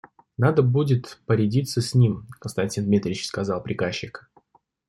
Надо будет порядиться с ним, Константин Дмитрич, — сказал приказчик.